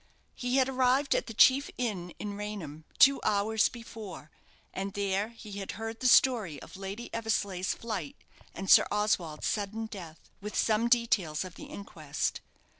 He had arrived at the chief inn in Raynham two hours before, and there he had heard the story of Lady Eversleigh's flight and Sir Oswald's sudden death, with some details of the inquest.